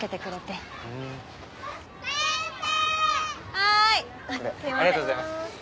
ありがとうございます！